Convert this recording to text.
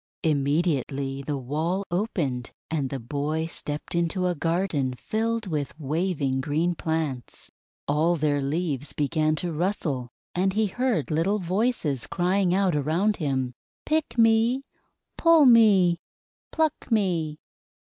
Immediately the wall opened, and the boy stepped into a garden filled with waving green plants. All their leaves began to rustle, and he heard little voices crying out around him: "Pick me!' "Pull me!" "Pluck me!"